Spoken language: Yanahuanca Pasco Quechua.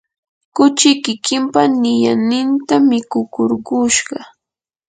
kuchi kikimpa niyanninta mikukurkushqa.